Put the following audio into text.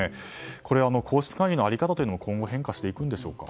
これは皇室会議の在り方は今後変化していくんでしょうか。